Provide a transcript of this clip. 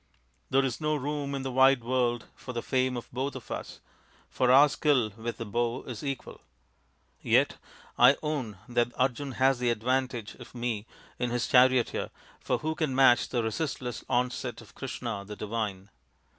There is no room in the wide world for the fame of both of us, for our skill with the bow is equal. Yet I own that Arjun has the advantage of me in his charioteer, for who can match the resistless onset of Krishna the divine?